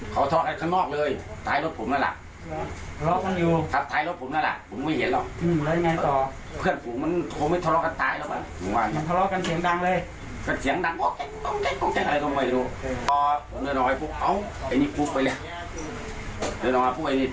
คนฟันชื่อนุ่มคนตายชื่อนอง